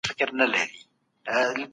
که پر چا تجاوز وسي نو مجازات به سي.